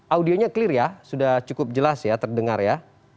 audionya clear ya sudah cukup jelas ya terdengar ya